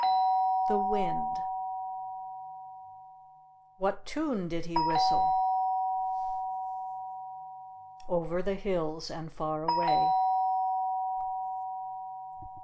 The wind. What tune did he whistle? Over the hills and far away.